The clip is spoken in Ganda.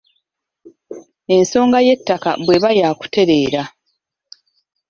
Ensonga y'ettaka bw'eba yaakutereera